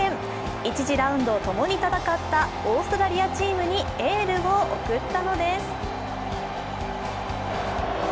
１次ラウンドをともに戦ったオーストラリアチームにエールを送ったのです。